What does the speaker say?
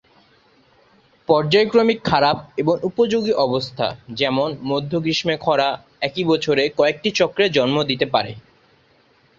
পর্যায়ক্রমিক খারাপ এবং উপযোগী অবস্থা, যেমন মধ্য গ্রীষ্মে খরা, একই বছরে কয়েকটি চক্রের জন্ম দিতে পারে।